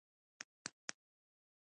اس مې سر څنډي،